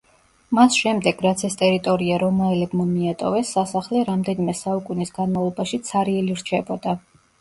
მას შემდეგ, რაც ეს ტერიტორია რომაელებმა მიატოვეს, სასახლე რამდენიმე საუკუნის განმავლობაში ცარიელი რჩებოდა.